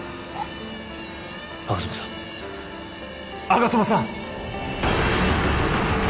吾妻さん吾妻さん！